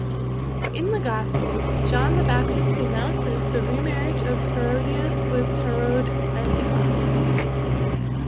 In the Gospels, John the Baptist denounces the remarriage of Herodias with Herod Antipas.